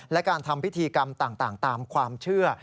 และการทำพิธีกรรมต่างตามความเชื่อ